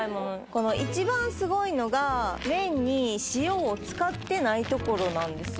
この一番すごいのが麺に塩を使ってないところなんですよ